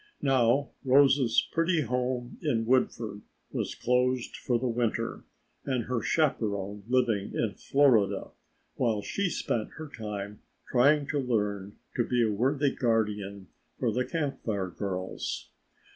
Now Rose's pretty home in Woodford was closed for the winter and her chaperon living in Florida while she spent her time trying to learn to be a worthy guardian for the Camp Fire girls.